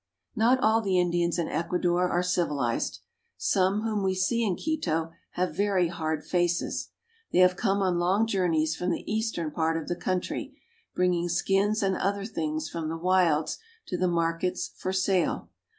Not all the Indians in Ecuador are civ ilized. Some whom we see in Quito have very hard faces. They have come on long journeys from the eastern part of the country, bringing skins and other things from the wilds to the markets for sale.